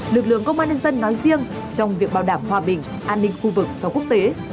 lực lượng công an nhân dân nói riêng trong việc bảo đảm hòa bình an ninh khu vực và quốc tế